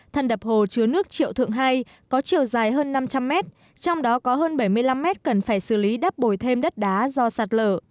thân đập hồ chứa nước triệu thượng hai có chiều dài hơn năm trăm linh mét trong đó có hơn bảy mươi năm mét cần phải xử lý đắp bồi thêm đất đá do sạt lở